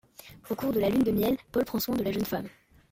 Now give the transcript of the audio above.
Au cours de la lune de miel, Paul prend soin de la jeune femme.